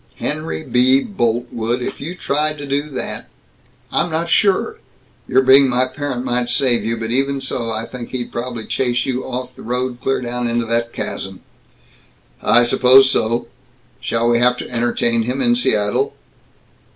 "Henry B. Boltwood, if you tried to do that I'm not sure. Your being my parent might save you, but even so, I think he'd probably chase you off the road, clear down into that chasm." "I suppose so. Shall we have to entertain him in Seattle?"